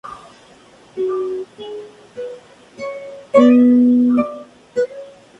Se debe utilizar verde de malaquita sin zinc.